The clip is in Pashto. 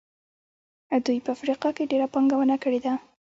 دوی په افریقا کې ډېره پانګونه کړې ده.